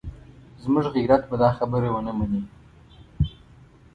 زموږ غیرت به دا خبره ونه مني.